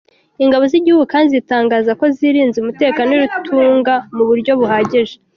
Ingabo z’igihugu kandi zitangaza ko zirinze umutekano w’i Rutunga mu buryo buhagije.